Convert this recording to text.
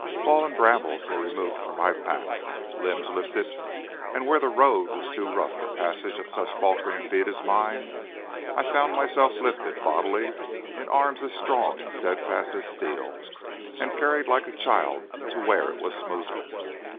Fallen brambles were removed from my path, limbs lifted, and where the road was too rough for the passage of such faltering feet as mine, I found myself lifted bodily, in arms as strong and steadfast as steel, and carried like a child to where it was smoother.